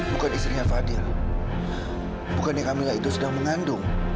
bukan istrinya fadil bukannya kamila itu sedang mengandung